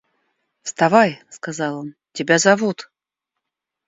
– Вставай, – сказал он, – тебя зовут.